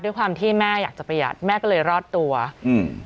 ด้วยความที่แม่อยากจะประหยัดแม่ก็เลยรอดตัวอืม